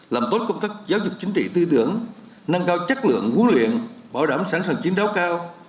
làm tốt công tác giáo dục chính trị tư tưởng nâng cao chất lượng huấn luyện bảo đảm sẵn sàng chiến đấu cao